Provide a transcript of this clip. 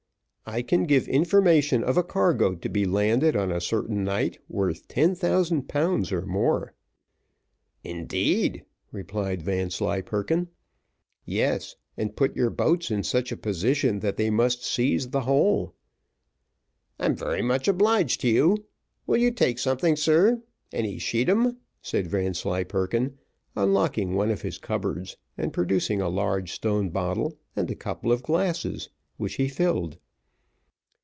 "I can give information of a cargo to be landed on a certain night worth ten thousand pounds or more." "Indeed!" replied Vanslyperken. "Yes, and put your boats in such a position that they must seize the whole." "I'm very much obliged to you. Will you take something, sir, any scheedam?" said Vanslyperken, unlocking one of his cupboards, and producing a large stone bottle, and a couple of glasses, which he filled.